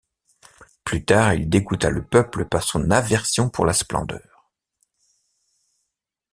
Plus tard, il dégoûta le peuple par son aversion pour la splendeur.